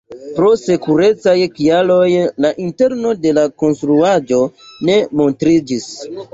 Pro sekurecaj kialoj la interno de la konstruaĵo ne montriĝis.